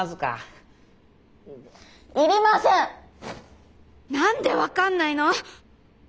心の声何で分かんないの！